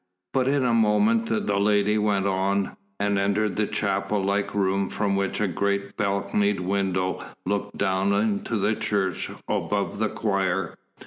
But in a moment the lady went on, and entered the chapel like room from which a great balconied window looked down into the church above the choir.